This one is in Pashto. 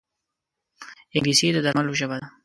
انګلیسي د درملو ژبه ده